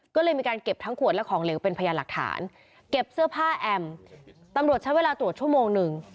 ก็เลยมีการเก็บทั้งขวดและของเหลวเป็นพยานหลักฐานเก็บเสื้อผ้าแอมตำรวจใช้เวลาตรวจชั่วโมงหนึ่ง